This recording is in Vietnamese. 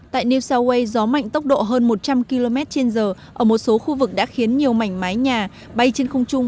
tại new south wales gió mạnh tốc độ hơn một trăm linh km trên giờ ở một số khu vực đã khiến nhiều mảnh mái nhà bay trên không trung